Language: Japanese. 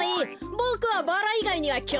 ボクはバラいがいにはきょうみないよ。